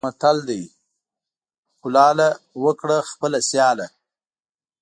متل دی: کلاله! وکړه خپله سیاله.